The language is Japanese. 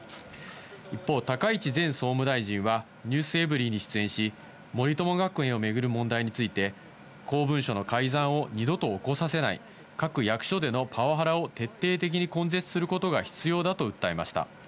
一方、高市前総務大臣はｎｅｗｓｅｖｅｒｙ．に出演し、森友学園を巡る問題について、公文書の改ざんを二度と起こさせない、各役所でのパワハラを徹底的に根絶することが必要だと訴えました。